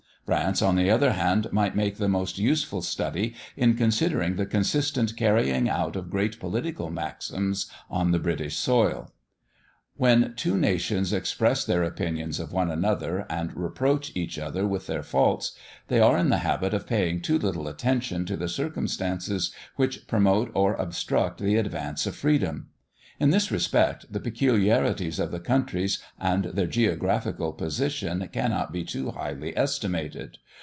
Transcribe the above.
France, on the other hand, might make the most useful study in considering the consistent carrying out of great political maxims on the British soil. When two nations express their opinions of one another, and reproach each other with their faults, they are in the habit of paying too little attention to the circumstances which promote or obstruct the advance of freedom. In this respect, the peculiarities of the countries and their geographical position cannot be too highly estimated.